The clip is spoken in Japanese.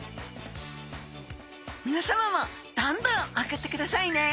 みなさまもどんどん送ってくださいね！